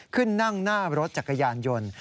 ขึ้นนั่งหน้ารถจักรยานยนต์